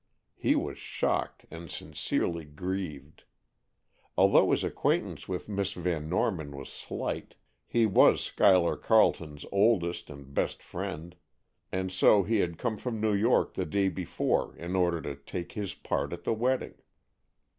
He was shocked and sincerely grieved. Although his acquaintance with Miss Van Norman was slight, he was Schuyler Carleton's oldest and best friend, and so he had come from New York the day before in order to take his part at the wedding.